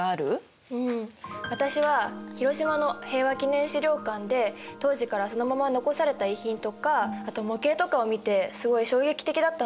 私は広島の平和記念資料館で当時からそのまま残された遺品とかあと模型とかを見てすごい衝撃的だったのを覚えてる。